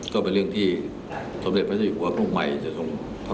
ก็เป็นเรื่องที่สำเร็จพระเจ้าหญิง